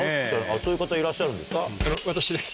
そういう方いらっしゃるんですか？